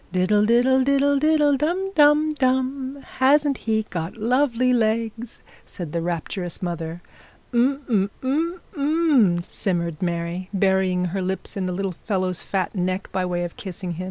'Diddle, diddle, diddle, diddle, dum, dum, dum: hasn't he got lovely legs?' said the rapturous mother. 'H'm, 'm, 'm, 'm, 'm,' simmered Mary, burying her lips in the little fellow's fat neck, by way of kissing him.